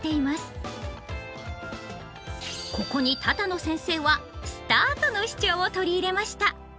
ここに多々納先生は「すたあと」の視聴を取り入れました。